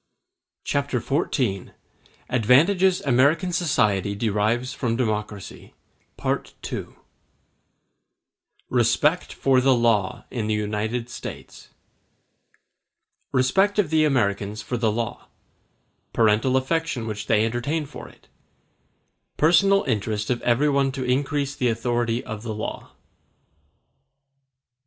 Chapter XIV: Advantages American Society Derive From Democracy—Part II Respect For The Law In The United States Respect of the Americans for the law—Parental affection which they entertain for it—Personal interest of everyone to increase the authority of the law.